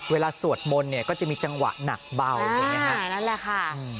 เวลาสวดมนต์เนี้ยก็จะมีจังหวะหนักเบาอ่านั่นแหละค่ะ